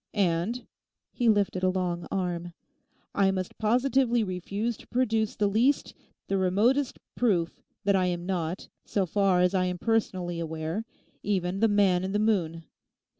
And'—he lifted a long arm—'I must positively refuse to produce the least, the remotest proof that I am not, so far as I am personally aware, even the Man in the Moon.